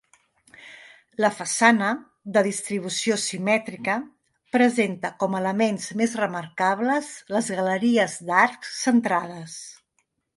La façana, de distribució simètrica, presenta com a elements més remarcables les galeries d'arcs, centrades.